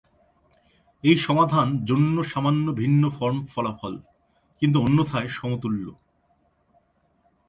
এই সমাধান জন্য সামান্য ভিন্ন ফর্ম ফলাফল, কিন্তু অন্যথায় সমতুল্য।